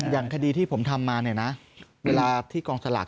อย่างคดีที่ผมทำมาเนี่ยนะเวลาที่กองสลาก